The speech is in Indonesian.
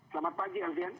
selamat pagi alvian